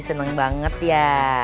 seneng banget ya